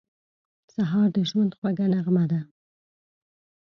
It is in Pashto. سهار د ژوند خوږه نغمه ده.